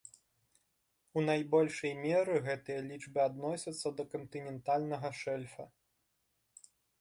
У найбольшай меры гэтыя лічбы адносяцца да кантынентальнага шэльфа.